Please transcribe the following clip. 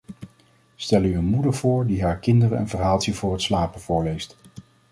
Stel u een moeder voor die haar kinderen een verhaaltje voor het slapen voorleest.